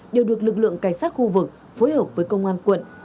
đều được lực lượng cảnh sát khu vực phối hợp với công an quận